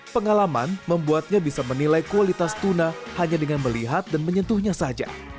pengalaman membuatnya bisa menilai kualitas tuna hanya dengan melihat dan menyentuhnya saja